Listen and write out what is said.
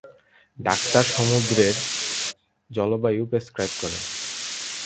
Doctor সমুদ্রের জলবায়ু prescribe করেছে।